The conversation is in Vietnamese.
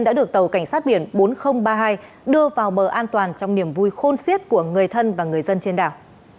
đã được tàu cảnh sát biển bốn nghìn ba mươi hai đưa vào bờ an toàn trong niềm vui khôn siết của người thân và người dân trên đảo